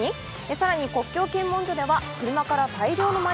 さらに国境検問所では車から大量の。